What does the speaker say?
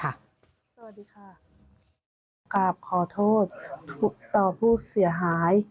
กราบขอโทษต่อผู้เสียหาย